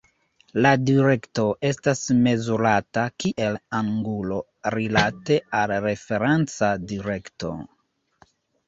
La direkto estas mezurata kiel angulo rilate al referenca direkto.